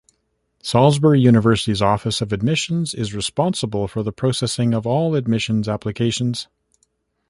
Salisbury University's Office of Admissions is responsible for the processing of all admissions applications.